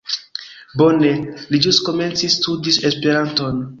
Bone, li ĵus komencis studi Esperanton